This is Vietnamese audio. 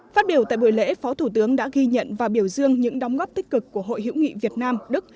phát biểu tại buổi lễ phó thủ tướng đã ghi nhận và biểu dương những đóng góp tích cực của hội hữu nghị việt nam đức